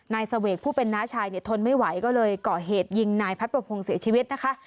นายเสวกผู้เป็นน้าชายเนี่ยทนไม่ไหวก็เลยเกาะเหตุยิงนายพัดประพงศ์เสียชีวิตนะคะ